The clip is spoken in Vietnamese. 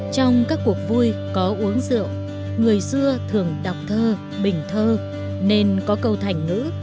trong các cuộc vui có uống rượu người xưa thường đọc thơ bình thơ nên có câu thành ngữ